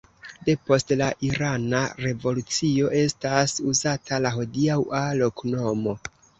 Depost la irana revolucio estas uzata la hodiaŭa loknomo.